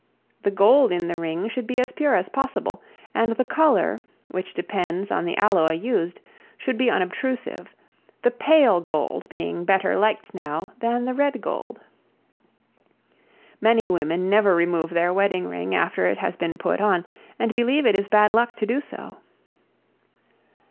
The gold in the ring should be as pure as possible, and the color, which depends on the alloy used, should be unobtrusive, the pale gold being better liked now than the red gold. Many women never remove their wedding ring after it has been put on and believe it is bad luck to do so.